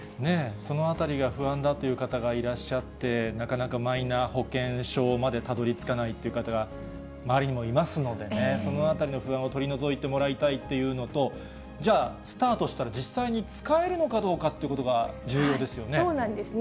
その辺りが不安だという方がいらっしゃって、なかなかマイナ保険証までたどりつかないという方が周りにもいますのでね、そのあたりの不安を取り除いてもらいたいというのと、じゃあスタートしたら実際に使えるのかどうかということが重要ですよね。